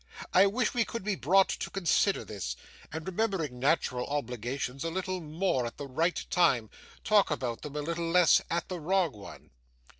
I wish we could be brought to consider this, and remembering natural obligations a little more at the right time, talk about them a little less at the wrong one.